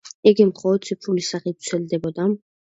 იგი მხოლოდ ციფრული სახით ვრცელდებოდა.